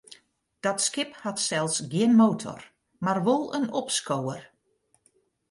Dat skip hat sels gjin motor, mar wol in opskower.